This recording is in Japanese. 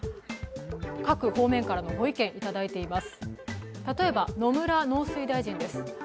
各方面からのご意見いただいています。